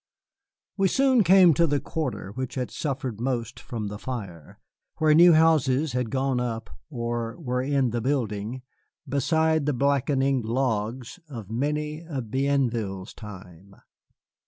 We soon came to the quarter which had suffered most from the fire, where new houses had gone up or were in the building beside the blackened logs of many of Bienville's time.